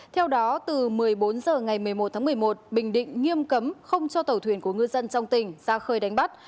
theo đó từ một mươi bốn h ngày một mươi một tháng một mươi một bình định nghiêm cấm không cho tàu thuyền của ngư dân trong tỉnh ra khơi đánh bắt